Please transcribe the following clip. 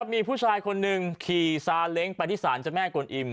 มีผู้ชายคนหนึ่งขี่ซาเล้งไปที่ศาลเจ้าแม่กวนอิ่ม